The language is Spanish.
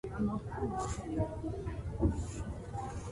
Probablemente recibe su nombre del santo con el mismo nombre.